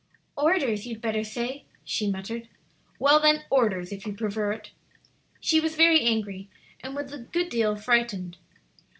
"Orders, you'd better say," she muttered. "Well, then, orders, if you prefer it." She was very angry, and withal a good deal frightened.